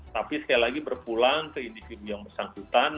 tapi sekali lagi berpulang ke individu yang bersangkutan